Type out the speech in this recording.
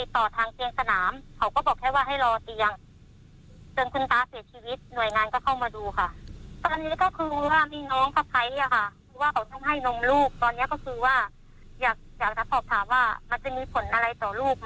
ตอนนี้ก็คือว่าอยากรับสอบถามว่ามันจะมีผลอะไรต่อลูกไหม